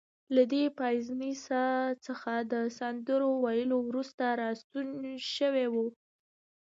دی له پایسنزا څخه د سندرو ویلو وروسته راستون شوی و.